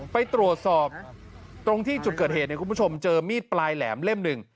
ไปตรวจสอบตรงที่จุดเกิดเหตุเนี่ยคุณผู้ชมเจอมีดปลายแหลมเล่มหนึ่ง